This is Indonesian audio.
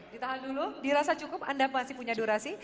ditahan dulu dirasa cukup anda masih punya durasi